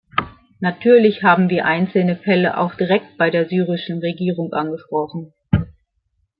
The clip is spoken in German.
Natürlich haben wir einzelne Fälle auch direkt bei der syrischen Regierung angesprochen.